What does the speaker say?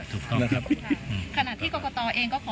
ขณะที่กรกตเองก็ขอให้ทักทางพักเพื่อไทยมาชี้แจงนโยบาย